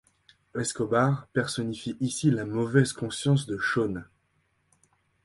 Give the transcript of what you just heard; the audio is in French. Escobar personnifie ici la mauvaise conscience de Sean.